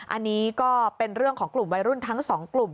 อันนี้ก็เป็นเรื่องของกลุ่มวัยรุ่นทั้งสองกลุ่ม